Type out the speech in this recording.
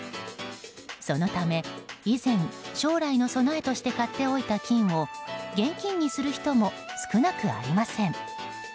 そのため以前、将来の備えとして買っておいた金を現金にする人も少なくありません。